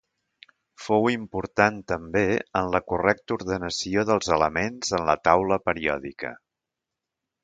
Fou important també en la correcta ordenació dels elements en la taula periòdica.